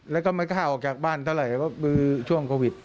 แล้วก็ไม่กล้าออกจากบ้านเท่าไหร่เพราะคือช่วงโควิด